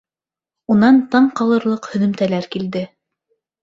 Унан таң ҡалырлыҡ һөҙөмтәләр килде.